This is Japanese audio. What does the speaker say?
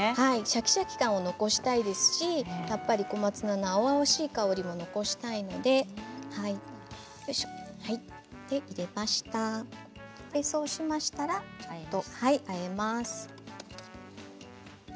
シャキシャキ感も小松菜の青々しい感じも残したいのでそうしましたらあえます。